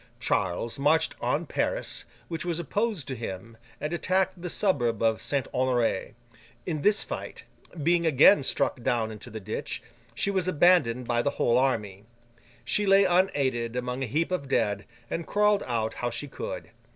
Charles marched on Paris, which was opposed to him, and attacked the suburb of Saint Honoré. In this fight, being again struck down into the ditch, she was abandoned by the whole army. She lay unaided among a heap of dead, and crawled out how she could.